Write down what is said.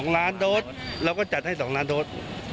๒ล้านโดสเราก็จัดให้๒ล้านโดส